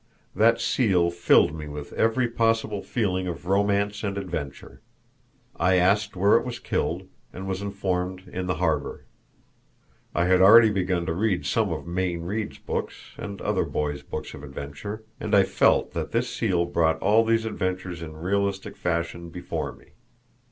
That seal filled me with every possible feeling of romance and adventure. I asked where it was killed, and was informed in the harbor. I had already begun to read some of Mayne Reid's books and other boys' books of adventure, and I felt that this seal brought all these adventures in realistic fashion before me.